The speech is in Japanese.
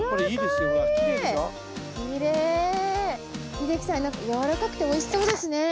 秀樹さん軟らかくておいしそうですね。